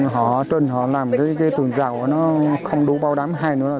họ ở trên họ làm cái tường rào nó không đủ bao đám hai nữa